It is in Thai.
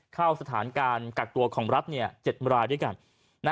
เข้าสถานการกักตัวของรัฐ๗รายด้วยกัน